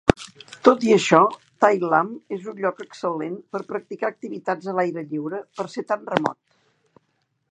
Tot i això, Tai Lam és un lloc excel·lent per practicar activitats a l'aire lliure per ser tan remot.